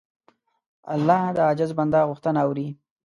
الله د عاجز بنده غوښتنه اوري.